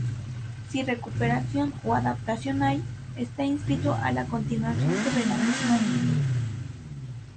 Si recuperación o adaptación hay, está inscrito a la continuación sobre la misma línea.